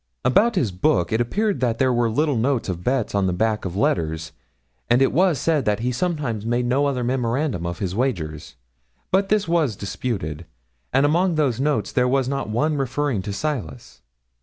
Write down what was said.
About his book it appeared that there were little notes of bets on the backs of letters, and it was said that he sometimes made no other memorandum of his wagers but this was disputed and among those notes there was not one referring to Silas.